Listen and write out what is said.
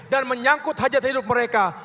dan menyangkut hajat hidup mereka